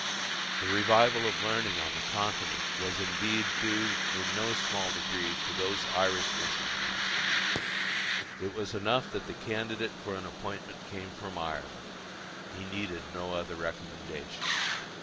The revival of learning on the Continent was indeed due in no small degree to those Irish missionaries. It was enough that the candidate for an appointment came from Ireland: he needed no other recommendation.